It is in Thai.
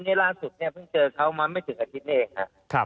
นี่ล่าสุดเนี่ยเพิ่งเจอเขามาไม่ถึงอาทิตย์นี้เองครับ